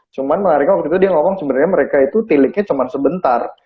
cuman menariknya waktu itu dia ngomong sebenarnya mereka itu tileknya cuman sebentar